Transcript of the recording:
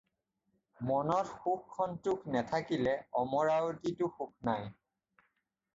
মনত সুখ-সন্তোষ নেথাকিলে অমৰাৱতীতো সুখ নাই।